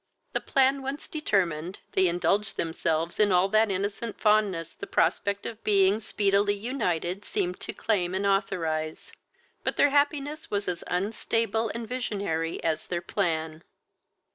The plan once determined, they indulged themselves in all that innocent fondness the prospect of being speedily united seemed to claim and authorise, but their happiness was as unstable and visionary as their plan.